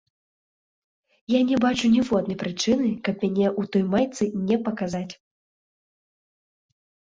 Я не бачу ніводнай прычыны, каб мяне ў той майцы не паказаць.